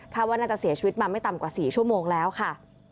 ว่าน่าจะเสียชีวิตมาไม่ต่ำกว่า๔ชั่วโมงแล้วค่ะ